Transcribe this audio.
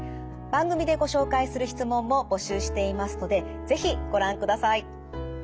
番組でご紹介する質問も募集していますので是非ご覧ください。